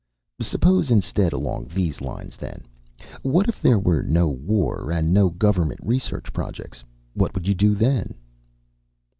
"Suppose instead along these lines, then: What if there were no war and no Government Research Projects? What would you do, then?"